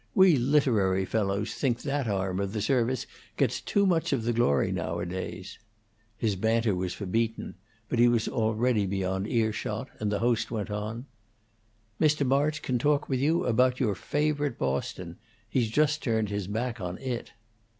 We literary fellows think that arm of the service gets too much of the glory nowadays." His banter was for Beaton, but he was already beyond ear shot, and the host went on: "Mr. March can talk with you about your favorite Boston. He's just turned his back on it."